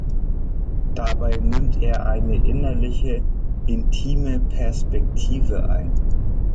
Dabei nimmt er eine innerliche, intime Perspektive ein.